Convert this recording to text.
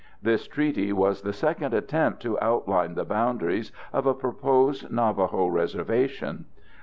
This treaty was the second attempt to outline the boundaries of a proposed Navajo reservation.